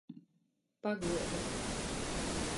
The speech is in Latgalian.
Pagluobe.